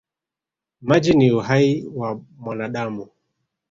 Maji ni uhai wa mwanadamu.